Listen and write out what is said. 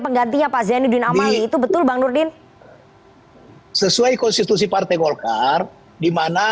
penggantinya pak zainuddin amali itu betul bang nurdin sesuai konstitusi partai golkar dimana